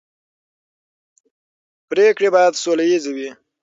پرېکړې باید سوله ییزې وي